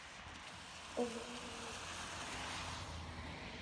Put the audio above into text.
本名义久。